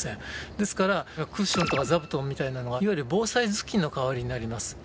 ですからクッションとか座布団みたいなのがいわゆる防災頭巾の代わりになります。